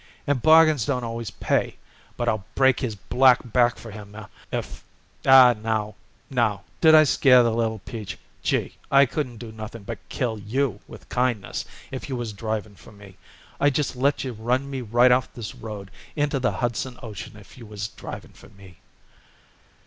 And bargains don't always pay. But I'll break his black back for him if Aw, now, now, did I scare the little peach? Gee! I couldn't do nothing but kill you with kindness if you was driving for me. I'd just let you run me right off this road into the Hudson Ocean if you was driving for me."